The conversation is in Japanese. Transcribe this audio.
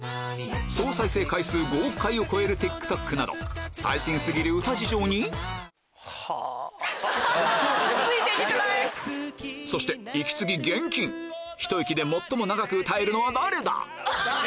総再生回数５億回を超えるＴｉｋＴｏｋなど最新過ぎる歌事情にそして息継ぎ厳禁ひと息で最も長く歌えるのは誰だ？